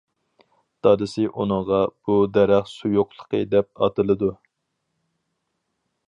دادىسى ئۇنىڭغا، بۇ دەرەخ سۇيۇقلۇقى دەپ ئاتىلىدۇ.